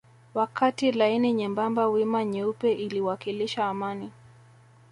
Wakati laini nyembamba wima nyeupe iliwakilisha amani